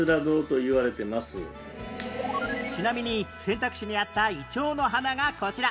ちなみに選択肢にあったイチョウの花がこちら